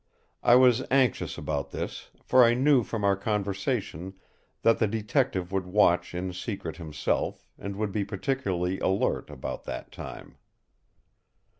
I was anxious about this, for I knew from our conversation that the Detective would watch in secret himself, and would be particularly alert about that time.